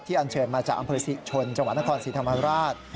ที่อันเชิญมาจากอำเภอสิกชนจังหวัดนครสิทธิ์ธรรมดราช